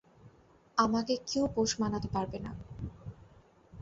আমাকে কেউ পোষ মানাতে পারবে না।